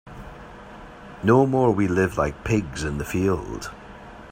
No more we live like pigs in the field.